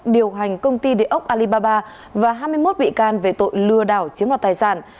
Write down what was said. điều hành công ty địa ốc alibaba và hai mươi một bị can về tội lừa đảo chiếm đoạt tài sản